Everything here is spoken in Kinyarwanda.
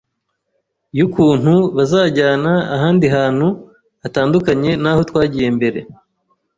y’ukuntu bazanjyana ahandi hantu hatandukanye n’aho twagiye mbere,